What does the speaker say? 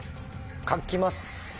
書きます。